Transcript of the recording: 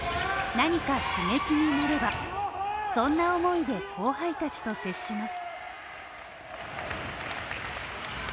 何か刺激になれば、そんな思いで後輩たちと接します。